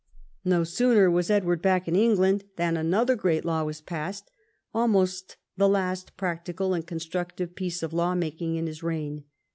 No sooner was Edward back in England than another great law was passed, almost the last practical and con structive piece of law making in the reign.